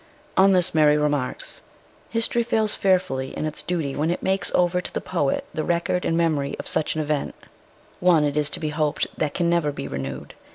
On this Mary remarks :" History fails fearfully in its duty when it makes over to the poet the record and memory of such an event ; one, it is to be hoped, that can never be renewed.